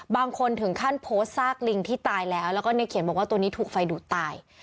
บางคนถึงขั้นโพสต์ซากลิงที่ตายแล้วแล้วก็ในเขียนบอกว่าตัวนี้ถูกไฟดูดตาย